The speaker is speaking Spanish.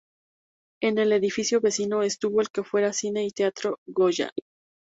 En el edificio vecino estuvo el que fuera cine y teatro Goya.